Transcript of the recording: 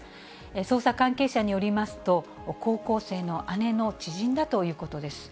捜査関係者によりますと、高校生の姉の知人だということです。